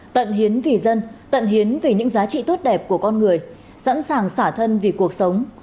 tận hiến vì dân tận hiến về những giá trị tốt đẹp của con người sẵn sàng xả thân vì cuộc sống